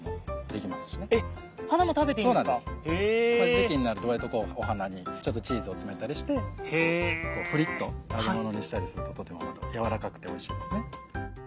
時季になると割と花にちょっとチーズを詰めたりしてフリット揚げものにしたりするととても軟らかくておいしいですね。